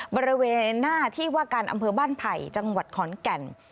บริเวณหน้าที่ว่าการอำเภอบ้านไผ่จังหวัดขอนแก่น